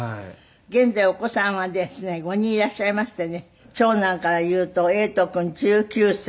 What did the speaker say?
現在お子さんはですね５人いらっしゃいましてね長男からいうと詠斗君１９歳。